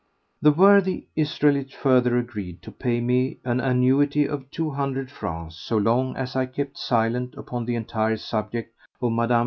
The worthy Israelite further agreed to pay me an annuity of two hundred francs so long as I kept silent upon the entire subject of Mme.